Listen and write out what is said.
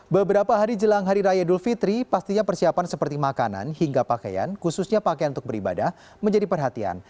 beberapa hari jelang hari raya idul fitri pastinya persiapan seperti makanan hingga pakaian khususnya pakaian untuk beribadah menjadi perhatian